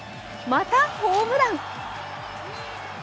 またホームラン。